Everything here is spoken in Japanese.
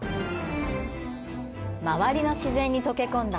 周りの自然に溶け込んだ